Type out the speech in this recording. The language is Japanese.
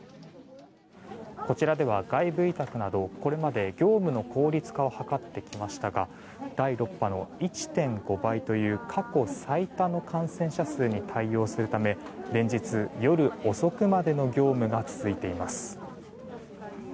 こちらでは外部委託などこれまで業務の効率化を図ってきましたが第６波の１．５倍という過去最多の感染者数に対応するため連日夜遅くまでの業務が続いています。